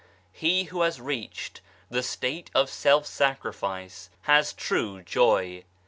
He who has reached the state of self sacrifice has true joy.